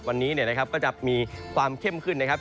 วันนี้นะครับก็จะมีความเข้มขึ้นนะครับ